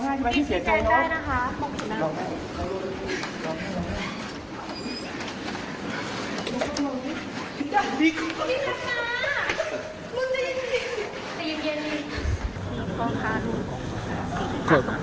ทำไมที่สิทธิ์ทำแบบนั้นนะคะพี่ร้องไห้มาให้เสียใจได้นะคะ